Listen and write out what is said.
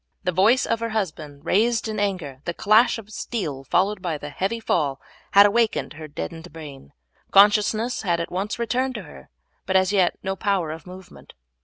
The voice of her husband raised in anger, the clash of steel, followed by the heavy fall, had awakened her deadened brain. Consciousness had at once returned to her, but as yet no power of movement.